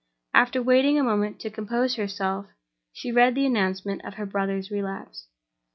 After waiting a moment to compose herself, she read the announcement of her brother's relapse.